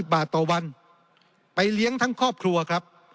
บาทต่อวันไปเลี้ยงทั้งครอบครัวครับ